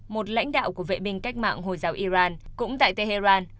một lãnh đạo của vệ binh cách mạng hồi giáo iran cũng tại tehran